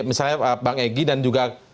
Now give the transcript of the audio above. misalnya bang egy dan juga